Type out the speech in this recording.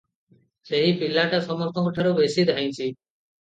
ସେହି ପଲିଟା ସମସ୍ତଙ୍କଠାରୁ ବେଶି ଧାଇଁଛି ।